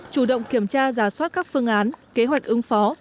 chủ động kiểm tra giả soát các phương án kế hoạch ứng phó